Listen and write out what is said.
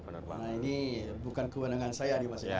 ini bukan kewenangan saya nih mas